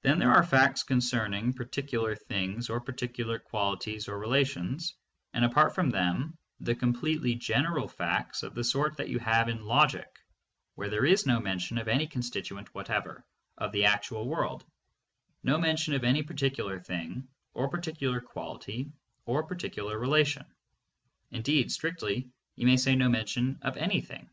Then there are facts concerning particular things or particular qualities or relations, and, apart from them, the completely general facts of the sort that you have in logic, where there is no mention of any constituent what ever of the actual world, no mention of any particular thing or particular quality or particular relation, indeed strictly you may say no mention of anything.